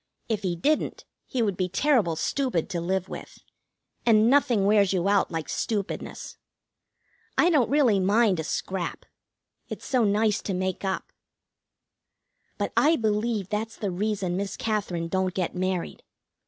If he didn't, he would be terrible stupid to live with, and nothing wears you out like stupidness. I don't really mind a scrap. It's so nice to make up. But I believe that's the reason Miss Katherine don't get married.